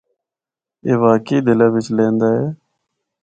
اے واقعی دلّا بچ لِہندے اے۔